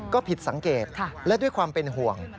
ก็ผิดสังเกตและด้วยความเป็นห่วง